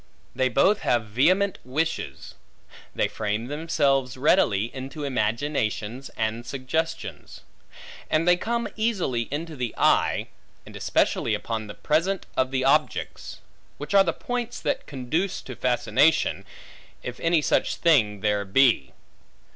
They both have vehement wishes; they frame themselves readily into imaginations and suggestions; and they come easily into the eye, especially upon the present of the objects; which are the points that conduce to fascination, if any such thing there be.